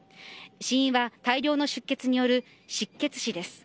死因は大量の出血による失血死です。